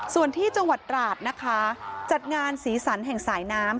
ส่วนที่จังหวัดราชนะคะจัดงานสีสันแห่งสายน้ำ